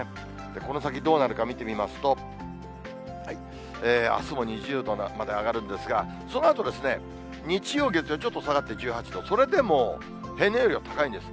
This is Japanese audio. この先どうなるか見てみますと、あすも２０度まで上がるんですが、そのあと、日曜、月曜、ちょっと下がって１８度、それでも平年よりは高いです。